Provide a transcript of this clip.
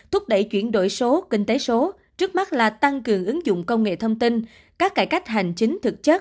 thúc đẩy chuyển đổi số kinh tế số trước mắt là tăng cường ứng dụng công nghệ thông tin các cải cách hành chính thực chất